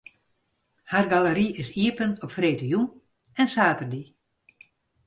Har galery is iepen op freedtejûn en saterdei.